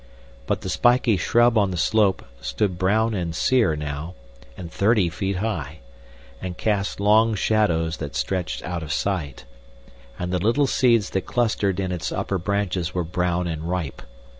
But the spiky shrub on the slope stood brown and sere now, and thirty feet high, and cast long shadows that stretched out of sight, and the little seeds that clustered in its upper branches were brown and ripe.